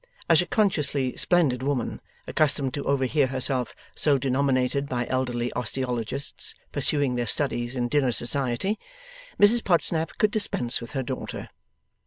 As a consciously 'splendid woman,' accustomed to overhear herself so denominated by elderly osteologists pursuing their studies in dinner society, Mrs Podsnap could dispense with her daughter.